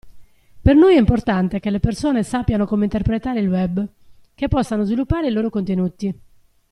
Per noi è importante che le persone sappiano come interpretare il web, che possano sviluppare i loro contenuti.